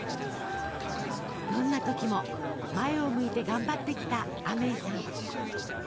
どんな時も前を向いて頑張ってきたアメイさん。